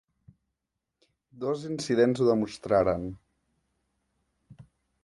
Dos incidents ho demostraren.